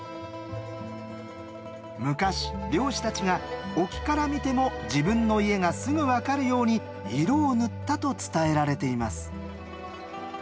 昔漁師たちが沖から見ても自分の家がすぐ分かるように色を塗ったと伝えられています。